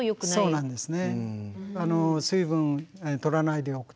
そうなんです。